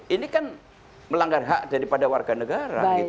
ini kan melanggar hak daripada warga negara